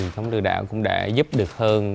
chống lừa đảo cũng đã giúp được hơn